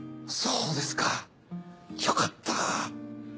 そうですかよかった。